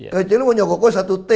kecil lu mau nyogok gue satu t